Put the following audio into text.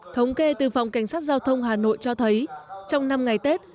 thống kê từ phòng cảnh sát giao thông hà nội cho thấy trong năm ngày tết